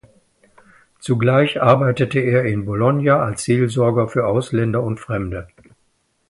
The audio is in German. Zugleich arbeitete er in Bologna als Seelsorger für Ausländer und Fremde.